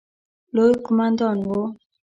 لوی قوماندان وو.